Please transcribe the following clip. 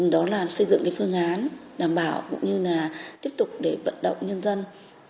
đó là xây dựng phương án đảm bảo cũng như là tiếp tục để vận động nhân dân